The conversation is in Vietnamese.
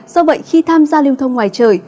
do vậy khi tham gia liên thông ngoài trời